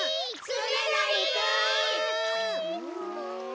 つねなりくん！